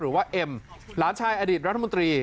หรือว่าเอ็มหลานชายอดีตรัฐมนตรี